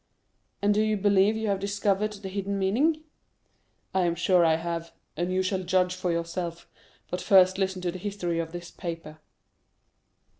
"And do you believe you have discovered the hidden meaning?" "I am sure I have, and you shall judge for yourself; but first listen to the history of this paper."